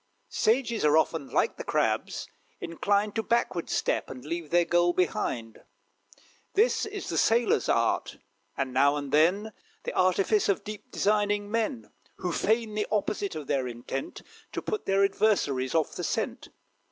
Sages are often, like the crabs, inclined To backward step, and leave their goal behind. This is the sailor's art, and, now and then, The artifice of deep, designing men, Who feign the opposite of their intent, To put their adversaries off the scent.